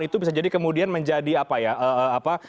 itu bisa jadi kemudian menjadi apa ya